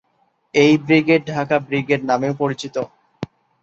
এই brigade Dhaka brigade নামেও পরিচিত।